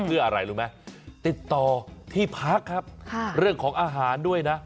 เพื่ออะไรรู้ไหมติดต่อที่พักครับเรื่องของอาหารด้วยนะ